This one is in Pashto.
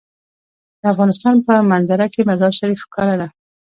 د افغانستان په منظره کې مزارشریف ښکاره ده.